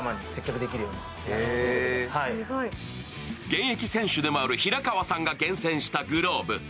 現役選手でもある平川さんが厳選したグローブ。